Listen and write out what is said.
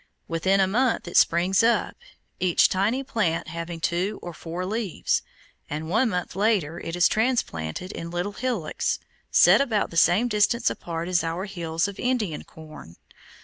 Within a month it springs up, each tiny plant having two or four leaves, and one month later it is transplanted in little hillocks, set about the same distance apart as are our hills of Indian corn.